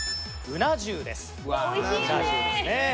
うな重ですね。